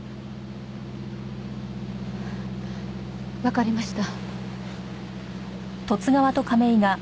わかりました。